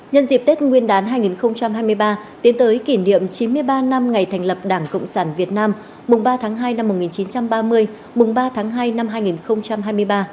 nhân dịp tết nguyên đán hai nghìn hai mươi ba tiến tới kỷ niệm chín mươi ba năm ngày thành lập đảng cộng sản việt nam mùng ba tháng hai năm một nghìn chín trăm ba mươi mùng ba tháng hai năm hai nghìn hai mươi ba